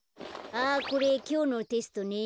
あっこれきょうのテストね。